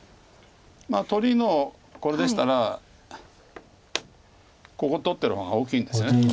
取りのこれでしたらここ取ってる方が大きいんですよね。